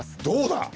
どうだ！